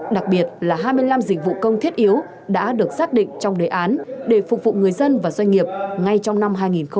đặc biệt là hai mươi năm dịch vụ công thiết yếu đã được xác định trong đề án để phục vụ người dân và doanh nghiệp ngay trong năm hai nghìn hai mươi